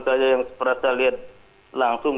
saja yang sepertinya lihat langsung